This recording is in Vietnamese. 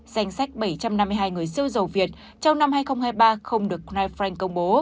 danh sách bảy trăm năm mươi hai người siêu giàu việt trong năm hai nghìn hai mươi ba không được cài phát